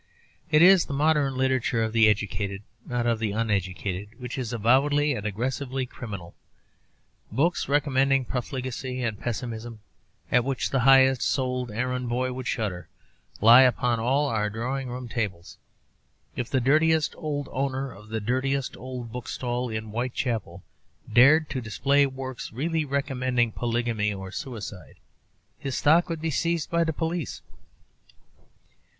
It is the modern literature of the educated, not of the uneducated, which is avowedly and aggressively criminal. Books recommending profligacy and pessimism, at which the high souled errand boy would shudder, lie upon all our drawing room tables. If the dirtiest old owner of the dirtiest old bookstall in Whitechapel dared to display works really recommending polygamy or suicide, his stock would be seized by the police.